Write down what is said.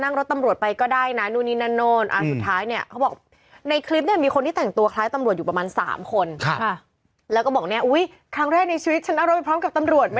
เขาบอกว่าตอนแรกคลิปนี้ออกมามีคนแต่งกายคล้ายตำรวจ